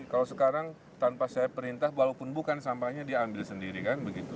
kalau sekarang tanpa saya perintah walaupun bukan sampahnya dia ambil sendiri kan